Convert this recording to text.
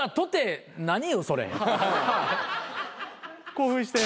興奮して。